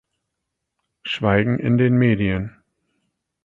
Schweigen in den Medien.